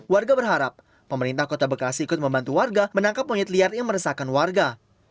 warga berharap pemerintah kota bekasi ikut membantu warga menangkap monyet liar yang meresahkan warga